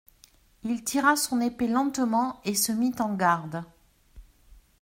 Il tira son épée lentement et se mit en garde.